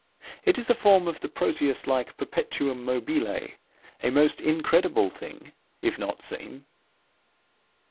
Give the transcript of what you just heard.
It is a form of the Proteus like perpetuum mobile a most incredible thing if not seen.'